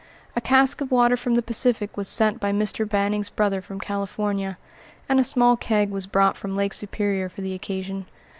A cask of water from the Pacific was sent by Mr. Banning's brother from California, and a small keg was brought from Lake Superior for the occasion.